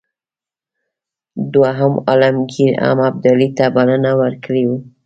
دوهم عالمګیر هم ابدالي ته بلنه ورکړې وه.